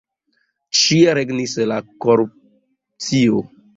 Ĉie regnis la korupcio.